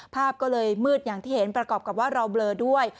ภาพก็เลยมืดอย่างที่เห็นประกอบกับว่าเราเบลอด้วย